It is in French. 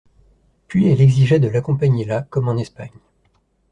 Puis elle exigea de l'accompagner là, comme en Espagne.